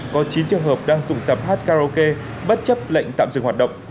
có chín trường hợp đang cùng tập hát karaoke bất chấp lệnh tạm dừng hoạt động